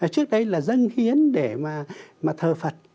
trước đây là dâng hiến để mà thờ phật